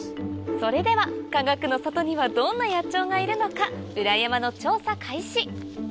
それではかがくの里にはどんな野鳥がいるのか裏山の調査開始